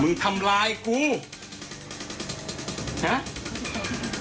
มึงทำลายจ๊อค